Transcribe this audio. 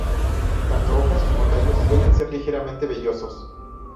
Tanto hojas como tallos suelen ser ligeramente vellosos.